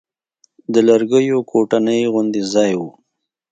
د لرګيو کوټنۍ غوندې ځاى و.